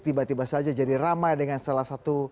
tiba tiba saja jadi ramai dengan salah satu